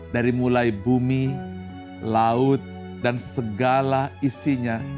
dari mulai bumi laut dan segala isinya